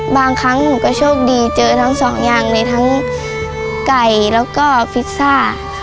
บางครั้งหนูก็โชคดีเจอทั้งสองอย่างเลยทั้งไก่แล้วก็พิซซ่า